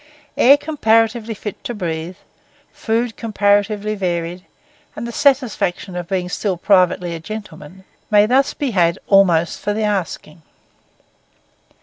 Air comparatively fit to breathe, food comparatively varied, and the satisfaction of being still privately a gentleman, may thus be had almost for the asking.